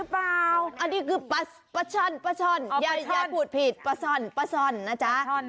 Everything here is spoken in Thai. ปลาอะไรยาย